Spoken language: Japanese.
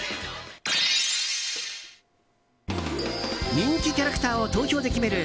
人気キャラクターを投票で決める